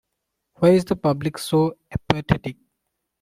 Why is the public so apathetic?